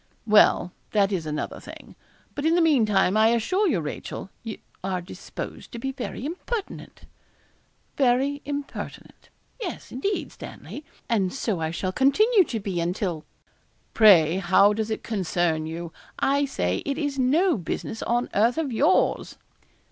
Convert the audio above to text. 'Well, that is another thing; but in the meantime, I assure you, Rachel, you are disposed to be very impertinent.' 'Very impertinent; yes, indeed, Stanley, and so I shall continue to be until ' 'Pray how does it concern you? I say it is no business on earth of yours.'